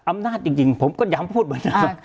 อำนาจจริงผมก็ย้ำพูดเหมือนนั้น